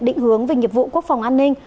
định hướng về nhiệm vụ quốc phòng an ninh